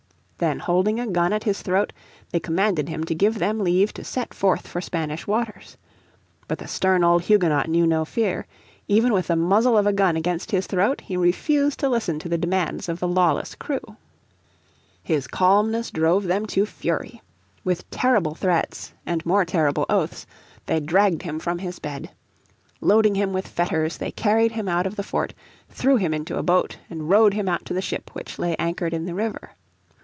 Then holding a gun at his throat they commanded him to give them leave to set forth for Spanish waters. But the stern old Huguenot knew no fear. Even with the muzzle of the gun against his throat he refused to listen to the demands of the lawless crew. His calmness drove them to fury. With terrible threats, and more terrible oaths, they dragged him from his bed. Loading him with fetters they carried him out of the fort, threw him into a boat and rowed him out to the ship which lay anchored in the river.